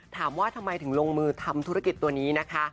ถามว่าทำไมถึงลงมือทำธุรกิจตัวนี้นะคะ